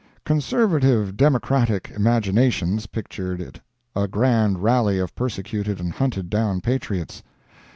"Conservative Democratic" imaginations pictured it a grand rally of persecuted and hunted down patriots.